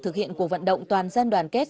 thực hiện cuộc vận động toàn dân đoàn kết